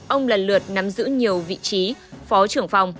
ông lần lượt nắm giữ nhiều vị trí phó trưởng phòng